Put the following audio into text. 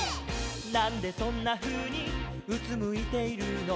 「なんでそんなふうにうつむいているの」